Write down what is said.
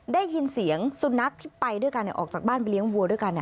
ได้ยินเสียงสุนัขที่ไปด้วยกันออกจากบ้านไปเลี้ยงวัวด้วยกัน